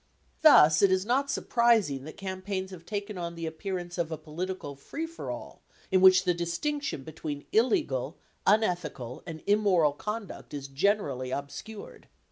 Thus, it is not surprising that campaigns have taken on the appearance of a political free for all in which the distinction between illegal, unethical, and immoral conduct is gen erally obscured.